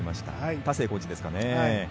田勢コーチですかね。